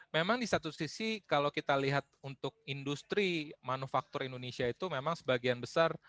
memang di satu sisi kalau kita lihat untuk industri manufaktur indonesia itu memang sebagian besar